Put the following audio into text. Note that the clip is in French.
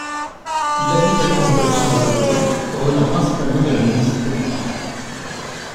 Il abrite alors une collection de tableaux, provenant principalement de la municipalité.